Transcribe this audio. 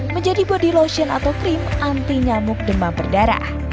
menjadi body lotion atau krim anti nyamuk demam berdarah